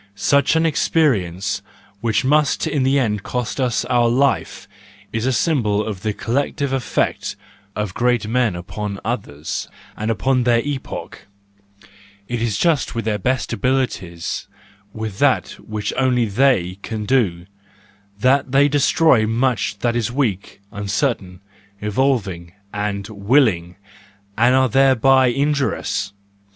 Such an experience, which must in the end cost us our life, is a symbol 70 THE JOYFUL WISDOM, I of the collective effect of great men upon others and upon their epoch:—it is just with their best abilities, with that which only they can do, that they destroy much that is weak, uncertain, evolving, and willing, and are thereby injurious.